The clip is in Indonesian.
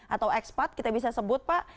atau ekspat kita bisa sebut pak